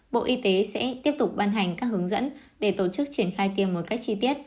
bộ y tế sẽ tiếp tục ban hành các hướng dẫn để tổ chức triển khai tiêm một cách chi tiết